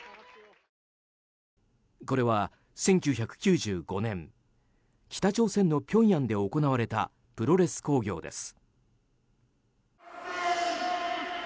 これは、１９９５年北朝鮮のピョンヤンで行われたプロレス興行です。